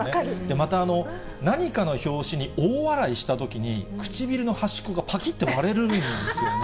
また何かの拍子に大笑いしたときに、唇の端っこがぱきって割れるんですよね。